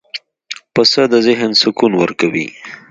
پسه د ذهن سکون ورکوي.